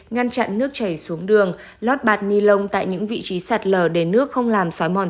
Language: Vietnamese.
ngăn chặn nước chảy xuống đường lót bạt ni lông tại những vị trí sạt lở để nước không làm xói mòn